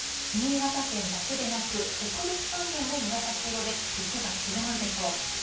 新潟県だけでなく、北陸３県も紫色で、雪が強まるでしょう。